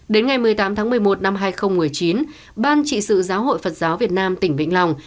đến ngày một mươi tám tháng một mươi một năm hai nghìn một mươi chín ban trị sự giáo hội phật giáo việt nam tỉnh vĩnh long